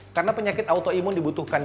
karena penyakit autoimun dibutuhkan